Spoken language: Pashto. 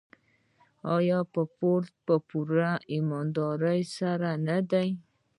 آیا په پوره ایمانداري سره نه دی؟